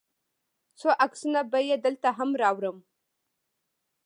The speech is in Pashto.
څو عکسونه به یې دلته هم راوړم.